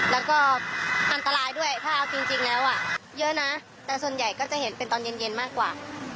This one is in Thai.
แล้วก็อันตรายด้วยถ้าเอาจริงแล้วเยอะนะแต่ส่วนใหญ่ก็จะเห็นเป็นตอนเย็นมากกว่า